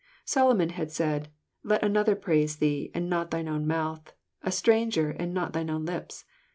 Solomon had said, —" Let another praise thee, and not thine own mouth ; a stranger, and not thine own lips."